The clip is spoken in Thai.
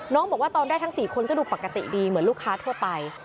น้องบอกว่าตอนได้ทั้ง๔คนก็ดูปกติดีเหมือนลูกค้าทั่วไป